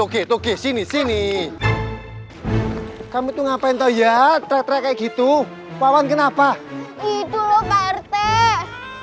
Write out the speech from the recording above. togge togge togge sini sini kamu tuh ngapain tahu ya trak trak kayak gitu wawon kenapa itu loh bertek